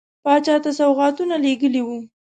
پاچا ته سوغاتونه لېږلي وه.